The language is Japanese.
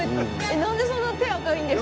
なんでそんな手赤いんですか？